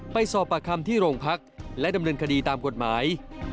ไปสอบปากคำที่โรงพักและดำเนินคดีตามกฎหมาย